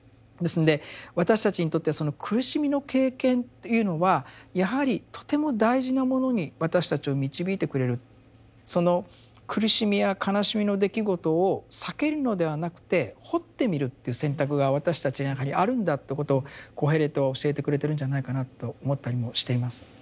ですんで私たちにとってはその苦しみの経験というのはやはりとても大事なものに私たちを導いてくれるその苦しみや悲しみの出来事を避けるのではなくて掘ってみるという選択が私たちの中にはあるんだってことをコヘレトは教えてくれてるんじゃないかなと思ったりもしています。